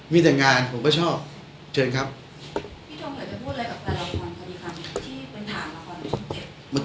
มีแต่งานผมก็ชอบเชิญครับพี่ตรงเหลือจะพูดอะไรกับแฟรราควร